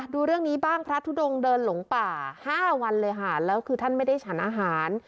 ดูเรื่องนี้บ้างพระทุดงเดินหลงป่า๕วันเลยค่ะแล้วคือท่านไม่ได้ฉันอาหาร